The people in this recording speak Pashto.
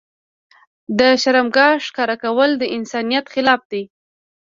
د شرمګاه ښکاره کول د انسانيت خلاف دي.